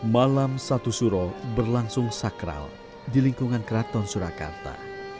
malam satu suro berlangsung sakral di lingkungan keraton surakarta